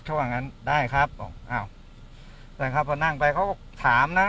เท่านั้นได้ครับอ้าวแล้วครับเขานั่งไปเขาก็ถามน่ะ